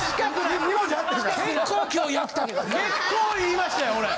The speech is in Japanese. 結構言いましたよ俺。